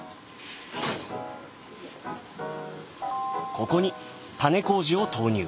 ここに種麹を投入。